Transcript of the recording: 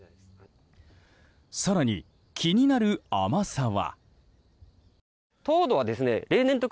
更に、気になる甘さは。